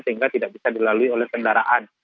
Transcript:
sehingga tidak bisa dilalui oleh kendaraan